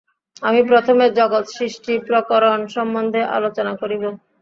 আমি প্রথমে জগৎসৃষ্টিপ্রকরণ সম্বন্ধে আলোচনা করিব।